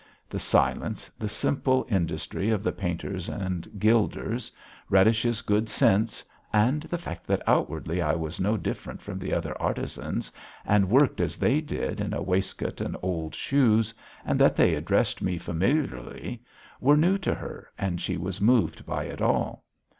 The silence, the simple industry of the painters and gilders, Radish's good sense, and the fact that outwardly I was no different from the other artisans and worked as they did, in a waistcoat and old shoes, and that they addressed me familiarly were new to her, and she was moved by it all.